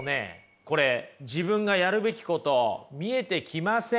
これ自分がやるべきこと見えてきません？